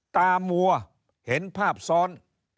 ตามัวเห็นภาพซ้อน